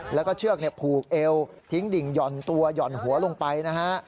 แล้วก็เชือกผูกเอวทิ้งดิ่งห่อนตัวหย่อนหัวลงไปนะฮะ